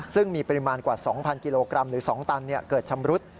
ซึ่งมีปริมาณกว่า๒๐๐กิโลกรัมหรือ๒ตันเกิดชำรุด